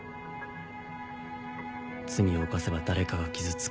罪を犯せば誰かが傷つく。